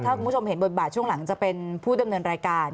ถ้าคุณผู้ชมเห็นบทบาทช่วงหลังจะเป็นผู้ดำเนินรายการ